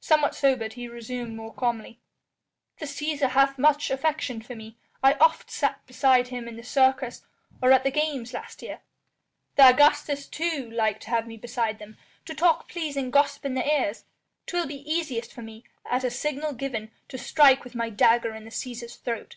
Somewhat sobered, he resumed more calmly: "The Cæsar hath much affection for me. I oft sat beside him in the Circus or at the games last year. The Augustas too like to have me beside them, to talk pleasing gossip in their ears. 'Twill be easiest for me, at a signal given, to strike with my dagger in the Cæsar's throat."